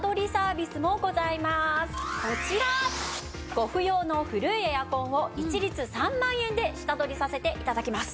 ご不要の古いエアコンを一律３万円で下取りさせて頂きます。